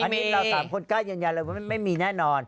อันนี้เราสามคนกล้ายอย่างแย่นเลยว่าไม่มีแน่นอน